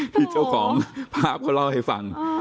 ที่เจ้าของภาพเขาเล่าให้ฟัง